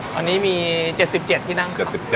วันนี้มี๗๗ที่นั่งครับ